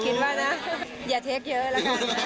คิดว่านะอย่าเรียกเยอะ